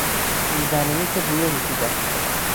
زیر زمینی که بوی رطوبت میدهد